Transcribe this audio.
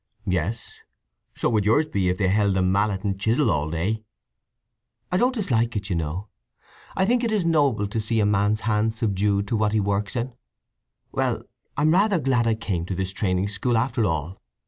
"Yes. So would yours be if they held a mallet and chisel all day." "I don't dislike it, you know. I think it is noble to see a man's hands subdued to what he works in… Well, I'm rather glad I came to this training school, after all.